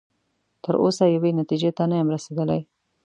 تر اوسه یوې نتیجې ته نه یم رسیدلی.